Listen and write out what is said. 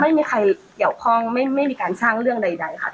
ไม่มีใครเกี่ยวข้องไม่มีการสร้างเรื่องใดค่ะ